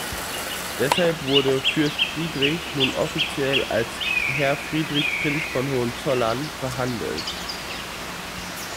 Deshalb wurde "Fürst Friedrich" nun offiziell als "Herr Friedrich Prinz von Hohenzollern" behandelt.